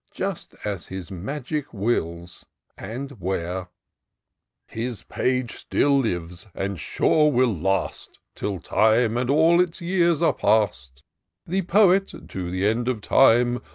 Just as his magic wills — and where, *'His page still lives, and sure will last Till time and all its years are past. The poet, to the end of time.